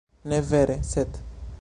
Ne vere, sed...